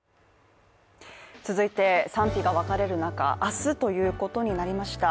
続いて、賛否が分かれる中明日ということになりました。